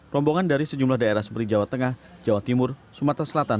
rombongan dari sejumlah daerah seperti jawa tengah jawa timur sumatera selatan